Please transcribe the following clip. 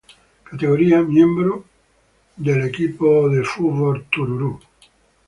CategoríaːMiembros del Ku Klux Klan